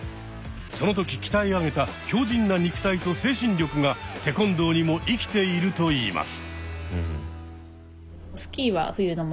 その時鍛え上げた強じんな肉体と精神力がテコンドーにも生きているといいます。